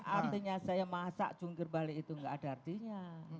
artinya saya masak jungkir balik itu nggak ada artinya